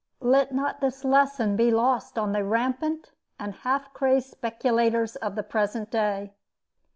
Let not this lesson be lost on the rampant and half crazed speculators of the present day.